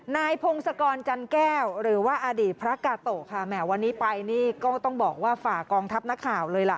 นายพงศกรจันแก้วหรือว่าอดีตพระกาโตะค่ะแหมวันนี้ไปนี่ก็ต้องบอกว่าฝากกองทัพนักข่าวเลยล่ะ